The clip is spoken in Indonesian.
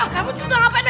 kamu tuh apaan ya